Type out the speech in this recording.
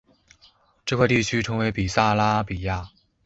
这块地区称为比萨拉比亚。